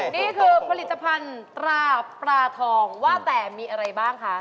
นี่คือผลิตภัณฑ์ตราปลาปลาทองว่าแต่มีอะไรบ้างคะ